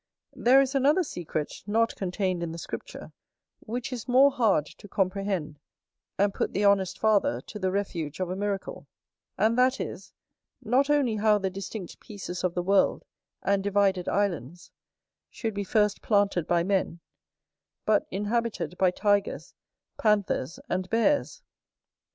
There is another secret, not contained in the Scripture, which is more hard to comprehend, and put the honest Father to the refuge of a miracle; and that is, not only how the distinct pieces of the world, and divided islands, should be first planted by men, but inhabited by tigers, panthers, and bears.